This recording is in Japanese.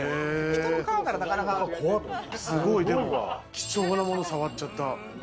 貴重なものを触っちゃった。